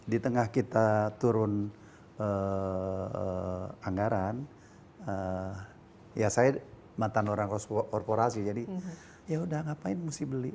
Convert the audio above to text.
di tengah kita turun anggaran ya saya mantan orang korporasi jadi yaudah ngapain mesti beli